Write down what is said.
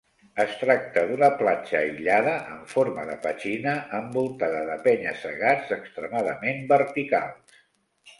Es tracta d'una platja aïllada en forma de petxina, envoltada de penya-segats extremadament verticals.